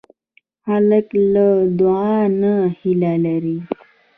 هلک له دعا نه هیله لري.